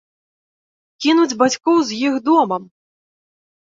Кінуць бацькоў з іх домам!